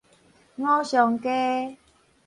五常街